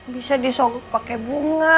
bisa disoluk pake bunga